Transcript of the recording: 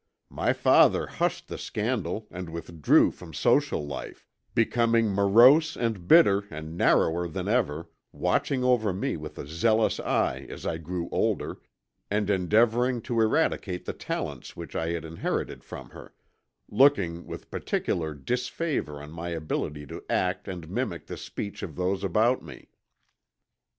My father hushed the scandal and withdrew from social life, becoming morose and bitter and narrower than ever, watching over me with a zealous eye as I grew older, and endeavoring to eradicate the talents which I had inherited from her, looking with particular disfavor on my ability to act and mimic the speech of those about me.